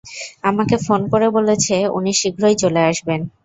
আমাকে ফোন করে বলেছে উনি শীঘ্রই চলে আসবেন।